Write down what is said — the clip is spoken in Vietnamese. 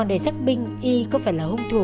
để xác minh y có phải là hung thủ